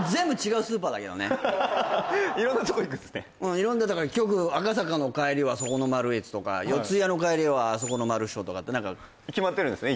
うん色んなだから局赤坂の帰りはそこのマルエツとか四谷の帰りはあそこの丸正とかって決まってるんですね